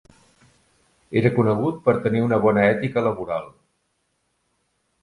Era conegut per tenir una bona ètica laboral.